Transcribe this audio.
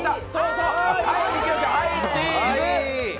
はい、チーズ！